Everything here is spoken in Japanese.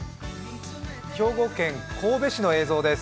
兵庫県神戸市の映像です。